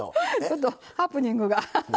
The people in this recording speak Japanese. ちょっとハプニングが。